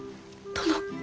殿。